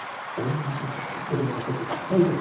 女らしくなくたってすてきな女性ってたくさんいる。